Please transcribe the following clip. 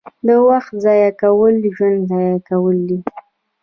• د وخت ضایع کول ژوند ضایع کول دي.